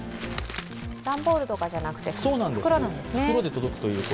段ボールとかじゃなくて袋なんですね。